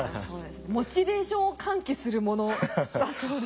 モチベーションを喚起するものだそうです